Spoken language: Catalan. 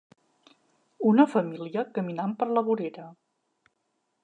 Una família caminant per la vorera.